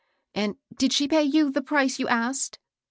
" And did she pay you the price you asked